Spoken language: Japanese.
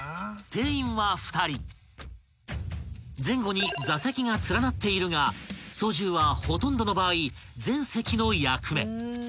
［前後に座席が連なっているが操縦はほとんどの場合前席の役目］